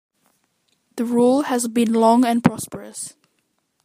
The rule has been long and prosperous.